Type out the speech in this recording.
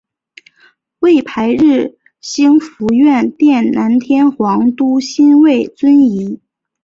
位牌曰兴福院殿南天皇都心位尊仪。